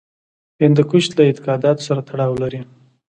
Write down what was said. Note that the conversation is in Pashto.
هندوکش له اعتقاداتو سره تړاو لري.